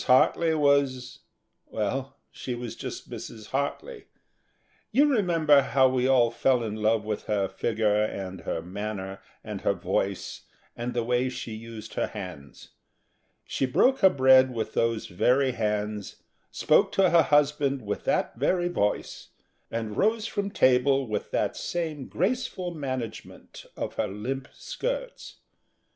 Hartly was well, she was just Mrs. Hartly. You remember how we all fell in love with her figure and her manner, and her voice, and the way she used her hands. She broke her bread with those very hands; spoke to her husband with that very voice, and rose from table with that same graceful management of her limp skirts.